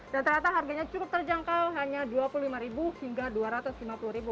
dan ternyata harganya cukup terjangkau hanya rp dua puluh lima hingga rp dua ratus lima puluh